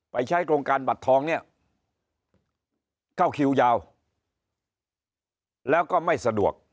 ใช้โครงการบัตรทองเนี่ยเข้าคิวยาวแล้วก็ไม่สะดวก